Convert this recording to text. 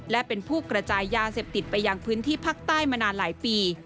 และเป็นผู้กระจายยาเสพติดไปยังพื้นที่ภาคใต้มานานหลายปี